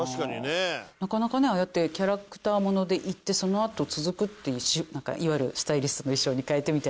なかなかねああやってキャラクターものでいってそのあと続くっていういわゆるスタイリストの衣装に変えてみたいな。